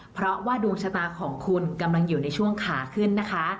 เพราะว่าดวงชะตาของคุณกำลังอยู่ในช่วงขาขึ้นนะคะ